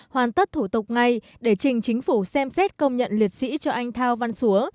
hoàn tất thủ tục ngay để trình chính phủ xem xét công nhận liệt sĩ cho anh thao văn xúa